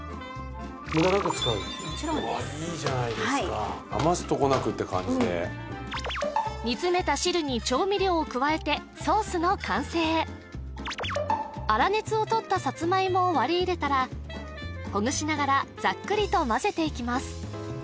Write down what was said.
もちろんですうわいいじゃないですか煮詰めた汁に調味料を加えてソースの完成粗熱を取ったさつまいもを割り入れたらほぐしながらざっくりと混ぜていきます